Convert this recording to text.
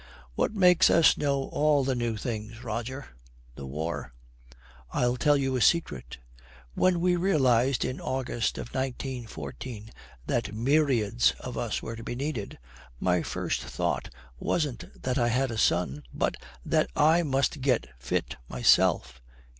'What makes us know all the new things, Roger? the war. I'll tell you a secret. When we realised in August of 1914 that myriads of us were to be needed, my first thought wasn't that I had a son, but that I must get fit myself.'